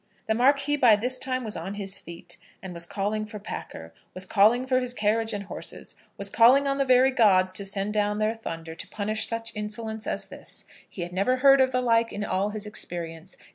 The Marquis by this time was on his feet, and was calling for Packer, was calling for his carriage and horses, was calling on the very gods to send down their thunder to punish such insolence as this. He had never heard of the like in all his experience.